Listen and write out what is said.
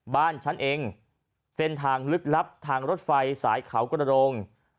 บ้านฉันเองเส้นทางลึกลับทางรถไฟสายเขากระดง